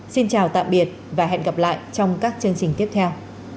xin chào tạm biệt và hẹn gặp lại trong các chương trình tiếp theo